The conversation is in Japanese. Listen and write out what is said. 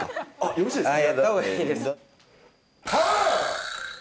よろしいですか？